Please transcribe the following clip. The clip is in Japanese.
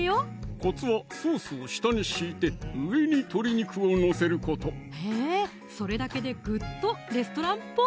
コツはソースを下に敷いて上に鶏肉を載せることへぇそれだけでグッとレストランっぽい！